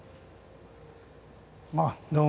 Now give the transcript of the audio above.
あっどうも。